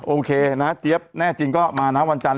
โอเคนะเจี๊ยบแน่จริงก็มานะวันจันท